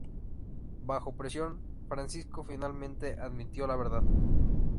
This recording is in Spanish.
Bajo presión, Francisco finalmente admitió la verdad.